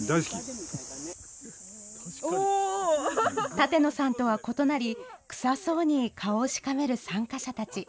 舘野さんとは異なり、臭そうに顔をしかめる参加者たち。